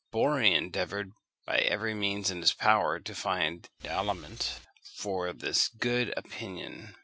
Borri endeavoured, by every means in his power, to find aliment for this good opinion.